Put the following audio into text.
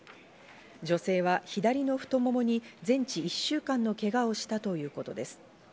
女性は左の太ももに全治１週間のけがをしたということです。